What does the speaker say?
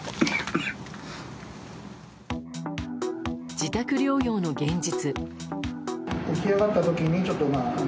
自宅療養の現実。